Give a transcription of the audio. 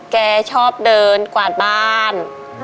แกชอบเดินกวาดบ้าน